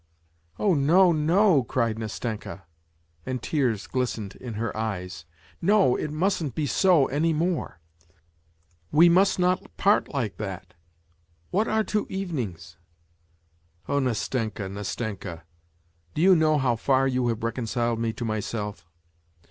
" Oh, no, no !" cried Nastenka and tears glistened in her eyes. " No, it mustn't be so any more ; we must not part like that ! what are two evenings ?" "Oh, Nastenka, Nastenka ! Do you know how far you have reconciled me to myself